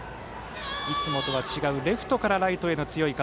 いつもとは違うレフトからライトへの強い風。